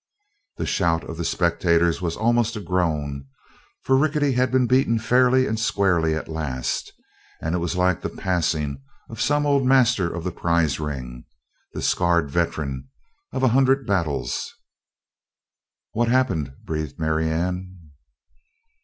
The shout of the spectators was almost a groan, for Rickety had been beaten fairly and squarely at last and it was like the passing of some old master of the prize ring, the scarred veteran of a hundred battles. "What happened?" breathed Marianne.